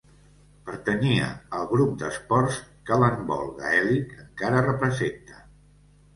Pertanyia al grup d'esports que l'handbol gaèlic encara representa.